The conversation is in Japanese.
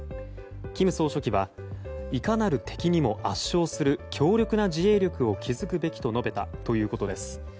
金総書記はいかなる敵にも圧勝する強力な自衛力を築くべきと述べたということです。